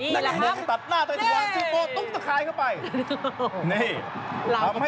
นักกรุงตัดหน้าตัวสิงคโปร์ตุ๊กตะคายเข้าไป